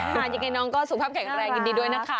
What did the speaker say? ยังไงน้องก็สุขภาพแข็งแรงยินดีด้วยนะคะ